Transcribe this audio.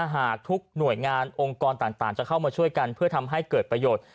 หากทุกหน่วยงานองค์กรต่างจะเข้ามาช่วยกันเพื่อทำให้เกิดประโยชน์